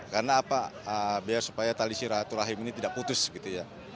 karena biar supaya tali siratu rahim ini tidak putus gitu ya